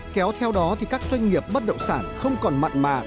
kéo theo đó thì các doanh nghiệp bất động sản không còn mặn mà